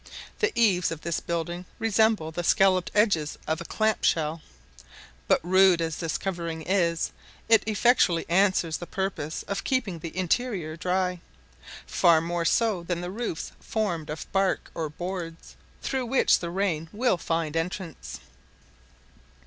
The eaves of this building resemble the scolloped edges of a clam shell; but rude as this covering is, it effectually answers the purpose of keeping the interior dry; far more so than the roofs formed of bark or boards, through which the rain will find entrance.